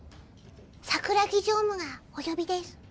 桜木常務がお呼びです